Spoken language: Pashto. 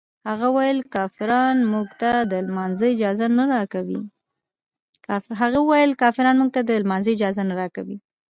هغه ویل کافران موږ ته د لمانځه اجازه نه راکوي.